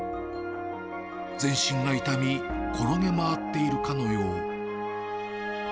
全身が痛み、転げ回っているかのよう。